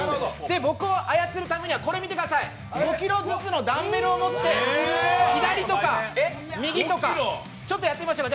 僕を操るためにはこれを見てください５ｋｇずつのダンベルを持って左とか右とか、ちょっとやってみましょう。